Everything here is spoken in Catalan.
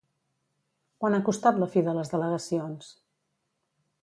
Quant ha costat la fi de les delegacions?